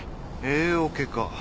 Ａオケか。